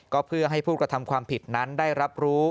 ก็เพื่อให้ผู้กระทำความผิดนั้นได้รับรู้